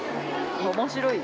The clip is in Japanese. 面白い？